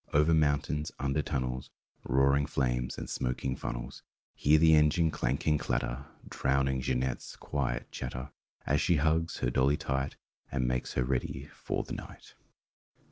Over mountains, under tunnels, Roaring flames and smoking funnels— Hear the engine clank and clatter! Drowning Jeanette's quiet chatter As she hugs her dolly tight And makes her ready for the night.